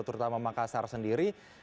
terutama makassar sendiri